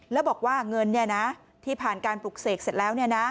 แล้วบอกว่าเงินที่ผ่านการปลุกเสกเสร็จแล้ว